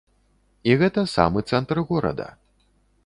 І гэта самы цэнтр горада.